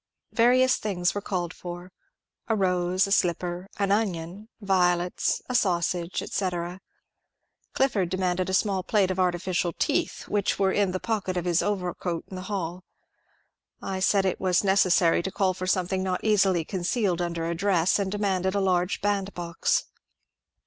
Various things were •called for : a rose, a slipper, an onion, violets, a sausage, etc Clifford demanded a small plate of artificial teeth, which were in the pocket of his overcoat in the haU. I said it was neces sary to call for something not easily concealed under a dress, and demanded a large bandbox.